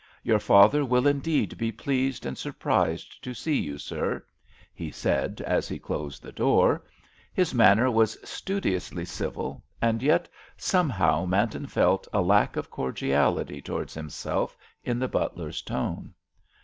"Your father will indeed be pleased and surprised to see you, sir," he said, as he closed the door. His manner was studiously civil, and yet somehow Manton felt a lack of cordiality towards himself in the butler's tone.